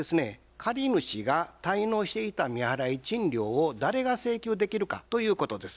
借主が滞納していた未払い賃料を誰が請求できるかということです。